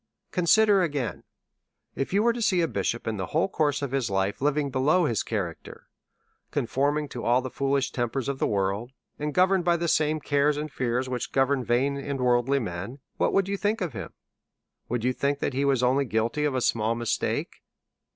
Consider, again, were you to see a bishop, in the whole course of his life, living below his character, con forming to all the foolish tempers of the world, and go verned by the same cares and fears which govern vain and worldly men, w hat would you think of him t Would you tliink that he was only guilty of a small mistake?